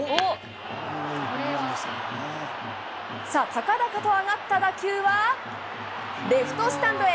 さあ、高々と上がった打球は、レフトスタンドへ。